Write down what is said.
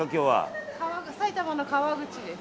埼玉の川口です。